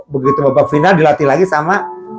waktu di semifinal dilatih lagi sama